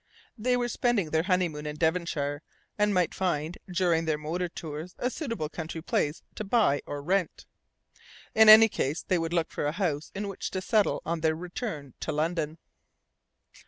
They were spending their honeymoon in Devonshire, and might find, during their motor tours, a suitable country place to buy or rent. In any case, they would look for a house in which to settle on their return to London.